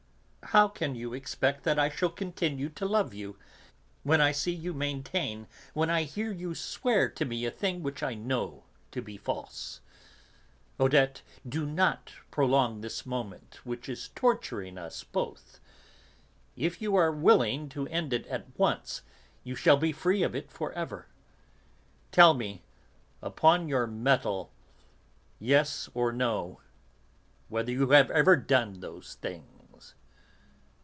How can you expect that I shall continue to love you, when I see you maintain, when I hear you swear to me a thing which I know to be false? Odette, do not prolong this moment which is torturing us both. If you are willing to end it at once, you shall be free of it for ever. Tell me, upon your medal, yes or no, whether you have ever done those things."